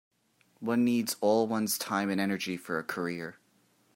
One needs all one's time and energy for a career.